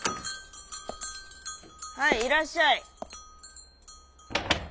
「はいいらっしゃい」。